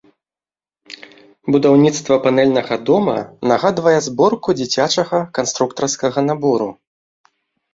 Будаўніцтва панэльнага дома нагадвае зборку дзіцячага канструктарскага набору.